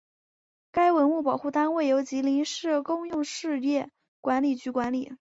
该文物保护单位由吉林市公用事业管理局管理。